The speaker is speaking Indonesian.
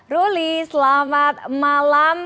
ruli selamat malam